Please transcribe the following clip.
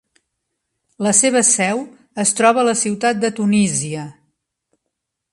La seva seu es troba a la ciutat de Tunísia.